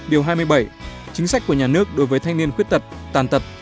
điều hai mươi bảy chính sách của nhà nước đối với thanh niên khuyết tật tàn tật